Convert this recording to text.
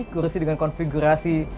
kursi dengan konfigurasi satu